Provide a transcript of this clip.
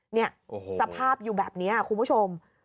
เนี่ยสภาพอยู่แบบนี้คุณผู้ชม